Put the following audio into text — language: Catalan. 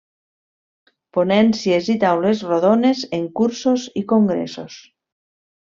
Ponències i taules rodones en cursos i congressos.